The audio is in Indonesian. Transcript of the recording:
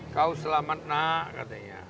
kau selamat nak katanya